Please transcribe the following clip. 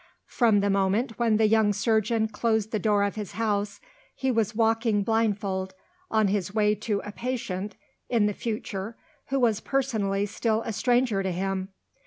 From the moment when the young surgeon closed the door of his house, he was walking blindfold on his way to a patient in the future who was personally still a stranger to him.